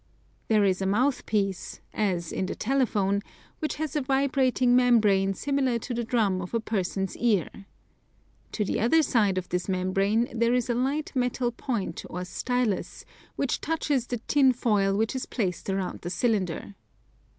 There is a mouth piece, as in the telephone, which has a vibrating membrane similar to the drum of a person's ear. To the other side of this membrane there is a light metal point or stylus, which touches the tin foil which is placed around the cylinder.